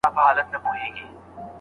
د قرآن کريم تفسير زيات ارزښت لري.